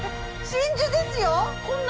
真珠ですよ？